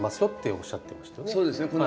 よっておっしゃってましたね。